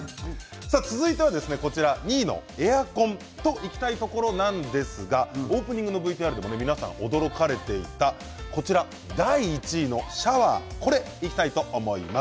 続いては２位のエアコンといきたいところなんですがオープニングのＶＴＲでも皆さん驚かれていた第１位のシャワーこれ、いきたいと思います。